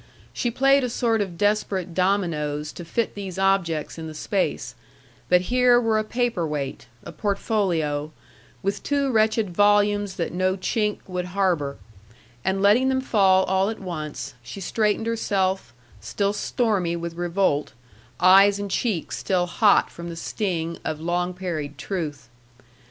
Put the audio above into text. She played a sort of desperate dominos to fit these objects in the space, but here were a paper weight, a portfolio, with two wretched volumes that no chink would harbor; and letting them fall all at once, she straightened herself, still stormy with revolt, eyes and cheeks still hot from the sting of long parried truth.